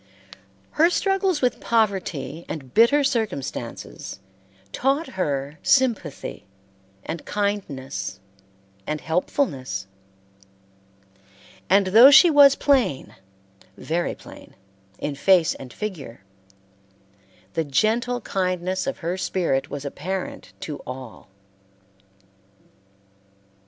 Her struggles with poverty and bitter circumstances taught her sympathy and kindness and helpfulness; and though she was plain, very plain, in face and figure, the gentle kindness of her spirit was apparent to all.